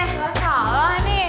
gak salah nih